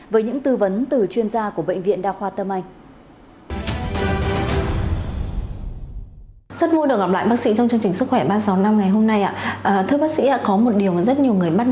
với những tư vấn từ chuyên gia của bệnh viện đa khoa tâm anh